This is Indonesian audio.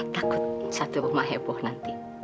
takut satu rumah heboh nanti